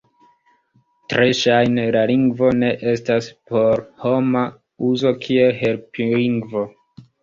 Tre ŝajne, la lingvo ne estas por homa uzo kiel helplingvo.